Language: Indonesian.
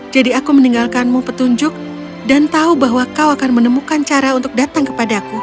jadi aku meninggalkanmu petunjuk dan tahu bahwa kau akan menemukan cara untuk datang kepadaku